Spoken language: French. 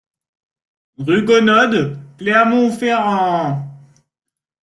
Rue Gonod, Clermont-Ferrand